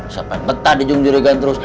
siapa yang gentah dijungjurikan terus